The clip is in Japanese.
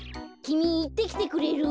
きみいってきてくれる？